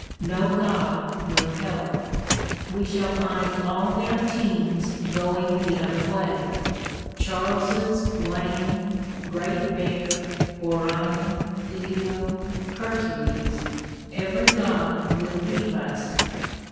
No god will help. We shall find all their teams going the other way —Charles's Wain, Great Bear, Orion, Leo, Hercules : every god will leave us.